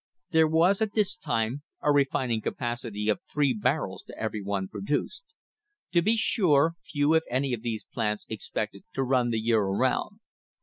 There was at this time a refining capacity of three barrels to every one produced. To be sure, few if any of these plants expected to run the year around.